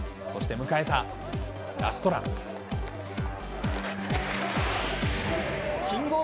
そして迎えたラストラン。